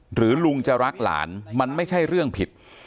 หรือลุงจะรักหลานมันไม่ใช่เรื่องผิด